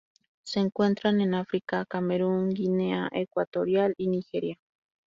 Se encuentran en África: Camerún, Guinea Ecuatorial y Nigeria.